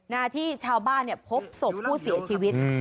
นะที่ชาวบ้านเนี่ยพบศพผู้เสียชีวิต